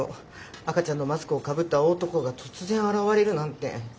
赤ちゃんのマスクをかぶった大男が突然現れるなんて。